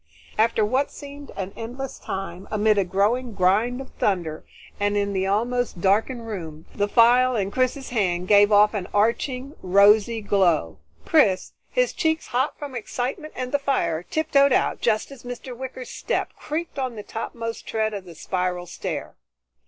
After what seemed an endless time, amid a growing grind of thunder and in the almost darkened room, the phial in Chris's hand gave off an arching rosy glow. Chris, his cheeks hot from excitement and the fire, tiptoed out just as Mr. Wicker's step creaked on the topmost tread of the spiral stair.